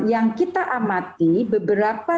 yang kita amati beberapa